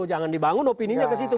jangan dibangun opininya ke situ